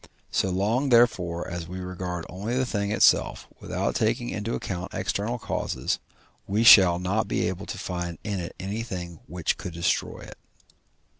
So long therefore as we regard only the thing itself, without taking into account external causes, we shall not be able to find in it anything which could destroy it.